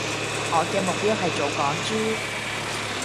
我嘅目標係做港豬